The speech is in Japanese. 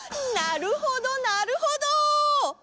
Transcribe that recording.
なるほどなるほど。